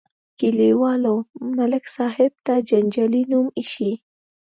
کلیوالو ملک صاحب ته جنجالي نوم ایښی.